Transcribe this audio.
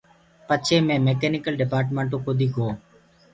پڇي مي ميڪينيڪل ڊپآرٽمنٽو ڪودي گو۔